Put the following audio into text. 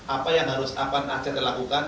apa yang harus apa yang harus dilakukan